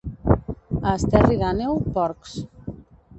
A Esterri d'Àneu, porcs.